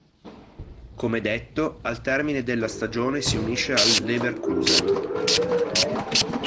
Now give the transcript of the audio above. Come detto, al termine della stagione si unisce al Leverkusen.